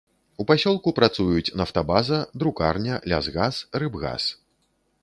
У пасёлку працуюць нафтабаза, друкарня, лясгас, рыбгас.